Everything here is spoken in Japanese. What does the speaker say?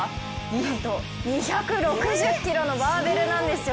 なんと、２６０ｋｇのバーベルなんですよ。